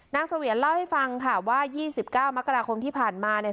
นางสเวียนเล่าให้ฟังค่ะว่ายี่สิบเก้ามกราคมที่ผ่านมาเนี่ย